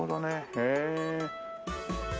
へえ。